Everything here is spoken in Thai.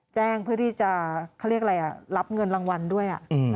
แจ้งเพื่อที่จะเขาเรียกอะไรรับเงินรางวัลด้วย